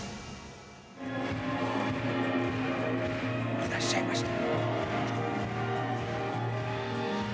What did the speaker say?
いらっしゃいました。